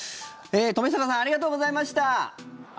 冨坂さんありがとうございました。